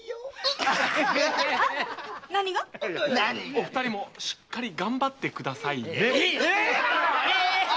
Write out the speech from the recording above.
お二人もしっかりがんばってくださいね！